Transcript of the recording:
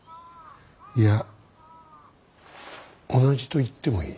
いや同じと言ってもいい。